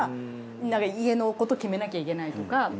なんか家のこと決めなきゃいけないとか。